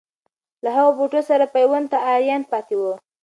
هغه له بوټو سره پیوند ته آریان پاتې وو.